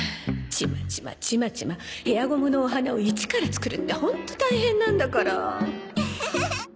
ちまちまちまちまヘアゴムのお花を一から作るってホント大変なんだからウフフフ。